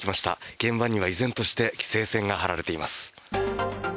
現場には依然として規制線が張られています。